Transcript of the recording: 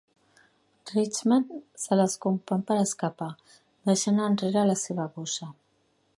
Richman se les compon per escapar, deixant enrere la seva bossa.